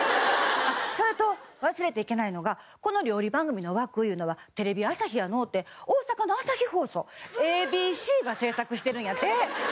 それと忘れちゃいけないのがこの料理番組の枠いうのはテレビ朝日やのうて大阪の朝日放送ＡＢＣが制作してるんやて。